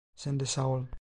Sen de sağ ol.